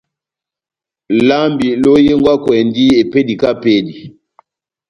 Lambi lohengwakwɛndi epédi kahá epédi.